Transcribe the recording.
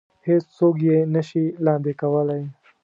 هېڅ څوک يې نه شي لاندې کولی.